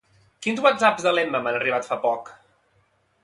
Quins whatsapps de l'Emma m'han arribat fa poc?